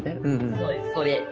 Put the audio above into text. そうですそれ。